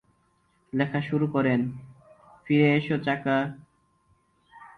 লেখা শুরু করেন 'ফিরে এসো চাকা'।